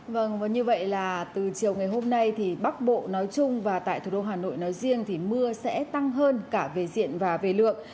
vâng và như vậy là từ chiều ngày hôm nay thì bắc bộ nói chung và tại thủ đô hà nội nói riêng thì mưa sẽ tăng hơn cả về diện và về lượng